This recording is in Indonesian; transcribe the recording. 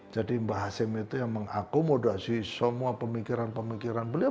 jadi mbah hashim itu yang mengakomodasi semua pemikiran pemikiran beliau